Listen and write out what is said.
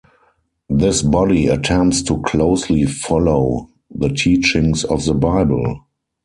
This body attempts to closely follow the teachings of The Bible.